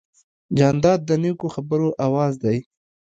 جانداد د نیکو خبرو آواز دی.